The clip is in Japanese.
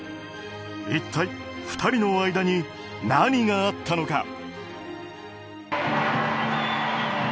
一体２人の間に何があったのか。